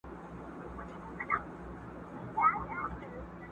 اوس به څوك لېږي ميرا ته غزلونه!.